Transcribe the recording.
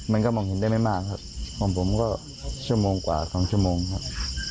มันก็มองเห็นได้ไม่มากครับของผมก็ชั่วโมงกว่า๒ชั่วโมงครับ